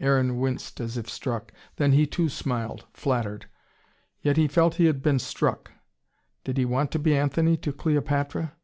Aaron winced as if struck. Then he too smiled, flattered. Yet he felt he had been struck! Did he want to be Anthony to Cleopatra?